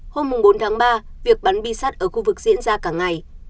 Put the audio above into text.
hôm bốn tháng ba việc bắn bi sắt ở khu vực diễn ra cả ngày